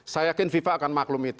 saya yakin fifa akan maklum itu